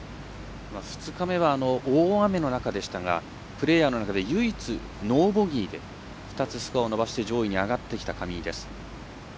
２日目は大雨の中でしたがプレーヤーの中で唯一ノーボギー２つスコアを伸ばして上位に上がってきた上井です。